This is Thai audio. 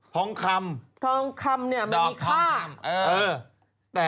ทองคำทองคำเนี่ยไม่มีค่า